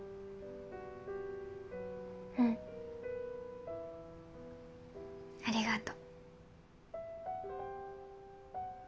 うん。ありがと。